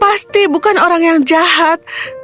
pasti bukan orang yang jahat